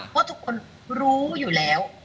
เพราะทุกคนรู้อยู่แล้ว